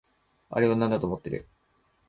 あれをなんだと思ってる？